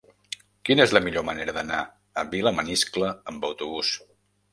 Quina és la millor manera d'anar a Vilamaniscle amb autobús?